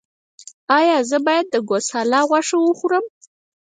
ایا زه باید د ګوساله غوښه وخورم؟